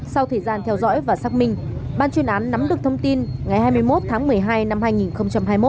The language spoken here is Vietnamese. sau thời gian theo dõi và xác minh ban chuyên án nắm được thông tin ngày hai mươi một tháng một mươi hai năm hai nghìn hai mươi một